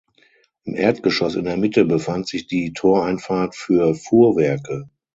Im Erdgeschoss in der Mitte befand sich die Toreinfahrt für Fuhrwerke.